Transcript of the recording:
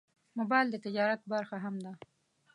موبایل د تجارت برخه هم ده.